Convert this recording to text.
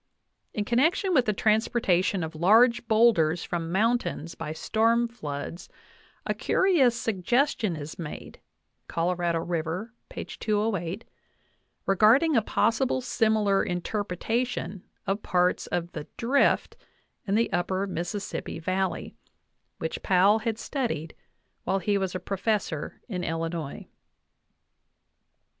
In connection with the transportation of large boulders from mountains uy storm floods, a curious suggestion is made (Colorado River, 208) regarding a possible similar interpretation of parts of the "Drift" in the upper Mississippi Valley, which Powell had studied while he was a professor in Illinois.